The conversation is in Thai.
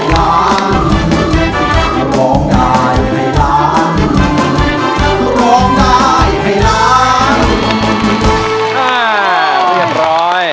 เรียบร้อย